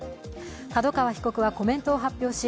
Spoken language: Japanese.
角川被告はコメントを発表し